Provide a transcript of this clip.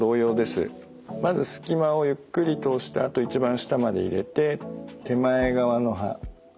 まずすき間をゆっくり通してあと一番下まで入れて手前側の歯。